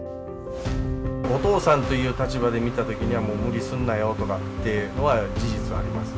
お父さんという立場で見たときには無理すんなよとかというのは事実あります。